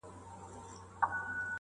د وطن له مختلفو برخو څخه